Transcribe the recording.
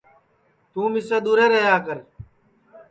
توں مِسے دؔور رہیا کر